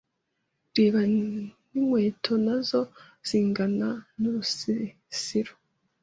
Reba n’inkweto nazo zingana n’urusisiro